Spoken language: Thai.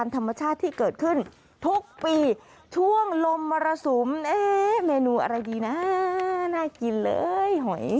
ทุกปีช่วงลมมรสุมเนนูอะไรดีนะน่ากินเลย